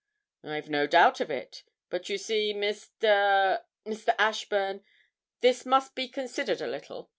'I've no doubt of it; but you see, Mr. Mr. Ashburn, this must be considered a little.